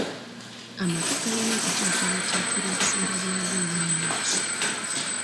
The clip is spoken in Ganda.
Amaka galina okuteekerateekera ebiseera byago ebyomumaaso.